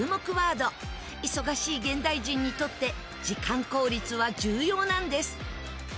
忙しい現代人にとって時間効率は重要なんです。